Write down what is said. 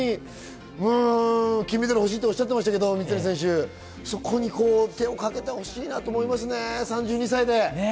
金メダル欲しいとおっしゃっていましたけれども、手をかけてほしいなと思いますね、３２歳で。